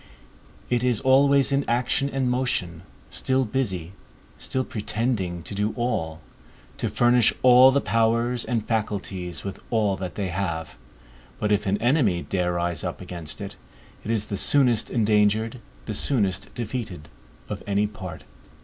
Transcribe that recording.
It is always in action and motion, still busy, still pretending to do all, to furnish all the powers and faculties with all that they have; but if an enemy dare rise up against it, it is the soonest endangered, the soonest defeated of any part.